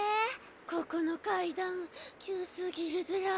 ここの階段急すぎるずらあ。